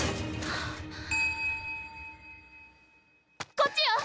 こっちよ！